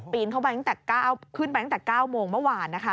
ปีนขึ้นไปตั้งแต่๙โมงเมื่อวานนะคะ